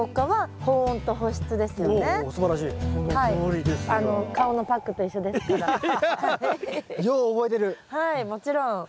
はいもちろん。